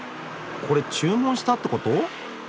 これ注文したってこと？